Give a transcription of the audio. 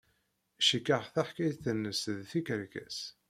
Cikkeɣ taḥkayt-nnes d tikerkas.